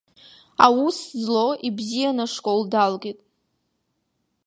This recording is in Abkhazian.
Аус злоу, ибзианы ашкол далгеит.